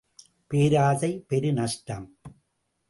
பேராசை பெரு நஷ்டம்!